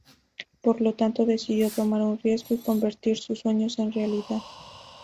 Por lo tanto, decidió tomar un riesgo y convertir sus sueños en realidad.